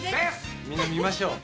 みんな見ましょう。